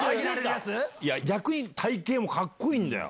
逆に体形もかっこいいんだよ。